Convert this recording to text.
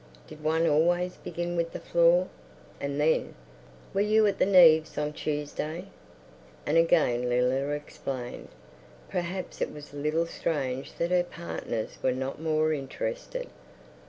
Did one always begin with the floor? And then, "Were you at the Neaves' on Tuesday?" And again Leila explained. Perhaps it was a little strange that her partners were not more interested.